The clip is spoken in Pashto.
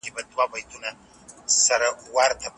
پرېږده چي دي مخي ته بلېږم ته به نه ژاړې